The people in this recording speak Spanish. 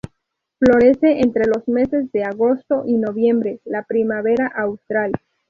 Florece entre los meses de agosto y noviembre, la primavera austral.